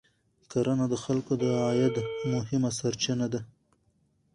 کرنه د خلکو د عاید مهمه سرچینه ده